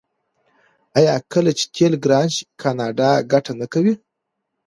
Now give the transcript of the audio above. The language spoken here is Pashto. آیا کله چې تیل ګران شي کاناډا ګټه نه کوي؟